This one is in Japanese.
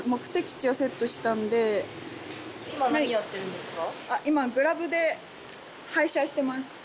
今何やってるんですか？